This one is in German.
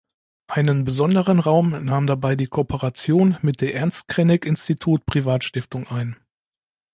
Einen besonderen Raum nahm dabei die Kooperation mit der Ernst Krenek Institut Privatstiftung ein.